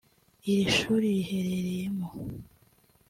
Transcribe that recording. iri shuri riherereyemo